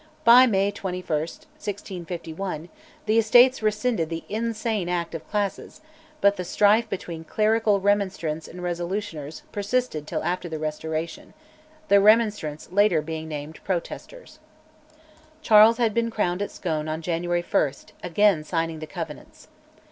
By May 21, 1651, the Estates rescinded the insane Act of Classes, but the strife between clerical Remonstrants and Resolutioners persisted till after the Restoration, the Remonstrants being later named Protesters. Charles had been crowned at Scone on January 1, again signing the Covenants.